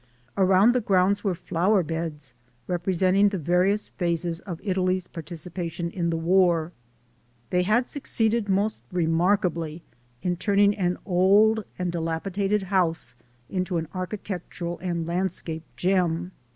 Around the grounds were flower beds representing the various phases of Italy's participation in the war. They had suc ceeded most remarkably in turning an old and di lapidated house into an architectural and landscape gem.